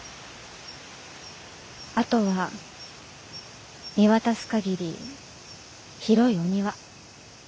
あとは見渡す限り広いお庭。